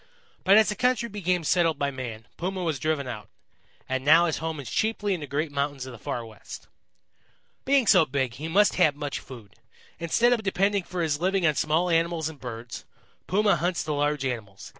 But as the country became settled by man, Puma was driven out, and now his home is chiefly in the great mountains of the Far West. "Being so big, he must have much food. Instead of depending for his living on small animals and birds, Puma hunts the large animals.